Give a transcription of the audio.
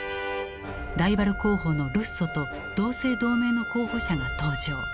ライバル候補のルッソと同姓同名の候補者が登場。